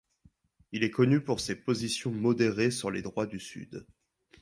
Il est connu pour ses positions modérées sur les droits du Sud.